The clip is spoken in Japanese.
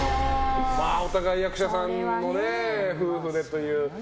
お互い役者さんの夫婦でという。